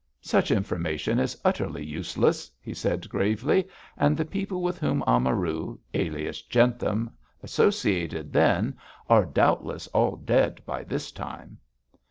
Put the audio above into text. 'Such information is utterly useless,' he said gravely, 'and the people with whom Amaru alias Jentham associated then are doubtless all dead by this time.'